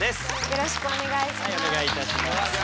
よろしくお願いします。